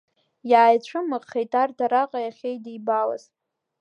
Иааицәымыӷхеит арҭ араҟа иахьеидибалаз.